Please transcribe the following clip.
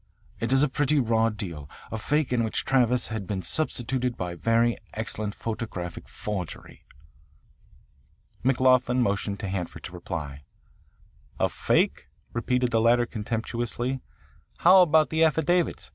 It is a pretty raw deal, a fake in which Travis has been substituted by very excellent photographic forgery." McLoughlin motioned to Hanford to reply. "A fake?" repeated the latter contemptuously. "How about the affidavits?